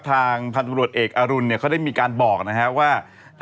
ทางพันธุรกิจเอกอรุณเนี่ยเขาได้มีการบอกนะครับว่า